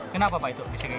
kenapa pak itu